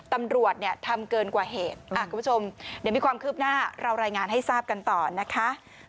ตำรวจเนี่ยทำเกินกว่าเหตุคุณผู้ชมเดี๋ยวมีความคืบหน้าเรารายงานให้ทราบกันต่อนะคะ